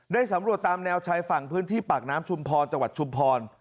สำรวจตามแนวชายฝั่งพื้นที่ปากน้ำชุมพรจังหวัดชุมพร